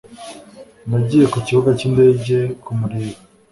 nagiye ku kibuga cy'indege kumureba